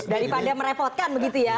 daripada merepotkan begitu ya